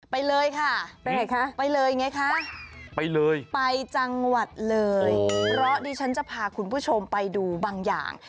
ไปเลยค่ะไปไหนคะไปเลยไงคะไปเลยไปจังหวัดเลยเพราะดิฉันจะพาคุณผู้ชมไปดูบางอย่าง